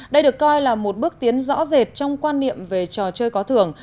đây được coi là một bước tiến rõ rệt trong quan niệm về trò chơi có thưởng